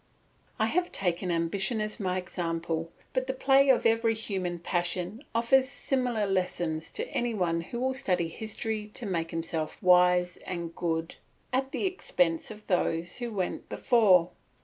I have taken ambition as my example, but the play of every human passion offers similar lessons to any one who will study history to make himself wise and good at the expense of those who went before.